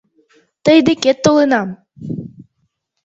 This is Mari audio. — Тый декет толынам.